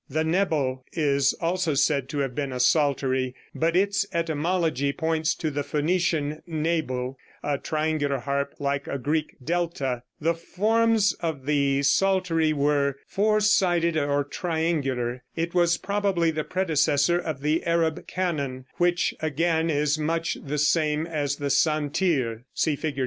The nebel is also said to have been a psaltery, but its etymology points to the Phoenician nabel, a triangular harp like a Greek delta. The forms of the psaltery were four sided or triangular. It was probably the predecessor of the Arab canon, which again is much the same as the santir. (See Fig.